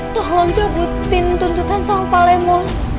tolong cabutin tuntutan sama pak lemos